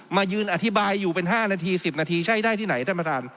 มายืนอธิบายอยู่เป็น๕นาที๑๐นาทีใช่ได้ที่ไหนท่านประธาน